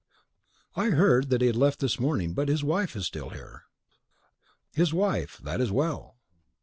"I heard that he had left this morning; but his wife is still here." "His wife! that is well!"